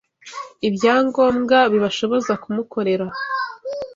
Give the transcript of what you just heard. ibyangombwa bibashoboza kumukorera